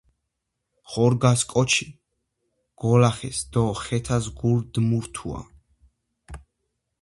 ხორგას კოჩი გოლახეს დო ხეთას გურქ მურთუა